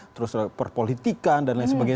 terus perpolitikan dan lain sebagainya